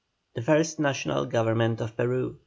THE FIRST NATIONAL GOVERNMENT OF PERU.